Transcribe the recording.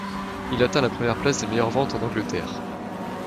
Il atteint la première place des meilleures ventes en Angleterre.